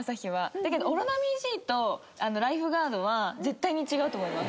だけどオロナミンＣとライフガードは絶対に違うと思います。